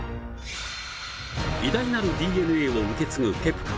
偉大なるＤＮＡを受け継ぐケプカ。